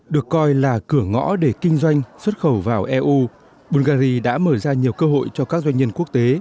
được coi là cửa ngõ để kinh doanh xuất khẩu vào eu bungary đã mở ra nhiều cơ hội cho các doanh nhân quốc tế